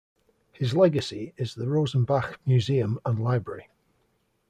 His legacy is the Rosenbach Museum and Library.